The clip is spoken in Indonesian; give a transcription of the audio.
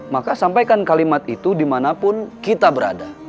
maka sampaikan kalimat itu dimanapun kita berada